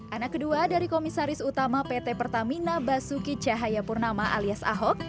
anak kedua dari komisaris utama pt pertamina basuki cahayapurnama alias ahok